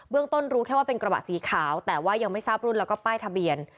ต้นรู้แค่ว่าเป็นกระบะสีขาวแต่ว่ายังไม่ทราบรุ่นแล้วก็ป้ายทะเบียน